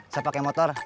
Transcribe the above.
saya pakai motor